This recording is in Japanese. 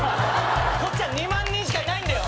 こっちは２万人しかいないんだよ。